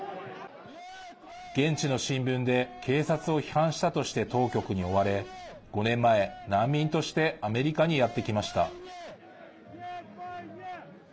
現地の新聞で警察を批判したとして当局に追われ５年前、難民としてアメリカにやってきました。